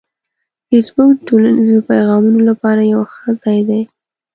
فېسبوک د ټولنیزو پیغامونو لپاره یو ښه ځای دی